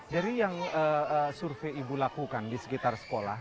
dari yang survei ibu lakukan di sekitar sekolah